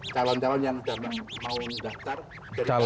calon calon yang mau mendaftar jadi betul